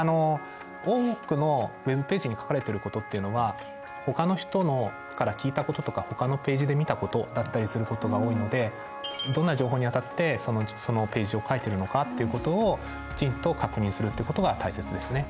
多くのＷｅｂページに書かれてることっていうのはほかの人から聞いたこととかほかのページで見たことだったりすることが多いのでどんな情報に当たってそのページを書いてるのかっていうことをきちんと確認するってことが大切ですね。